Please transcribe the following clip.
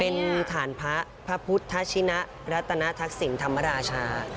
เป็นฐานพระพุทธชินะรัตนทางสิงทรรมราชา